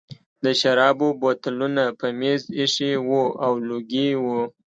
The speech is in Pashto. د شرابو بوتلونه په مېز ایښي وو او لوګي وو